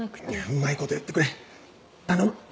うまいことやってくれ頼む！